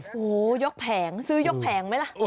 โอ้โหยกแผงซื้อยกแผงไหมล่ะ